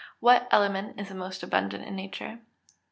_What element is the most abundant in nature?